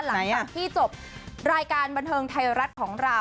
หลังจากที่จบรายการบันเทิงไทยรัฐของเรา